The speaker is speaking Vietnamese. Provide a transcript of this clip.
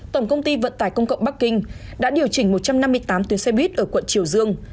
tổng công ty vận tải công cộng bắc kinh đã điều chỉnh một trăm năm mươi tám tuyến xe buýt ở quận triều dương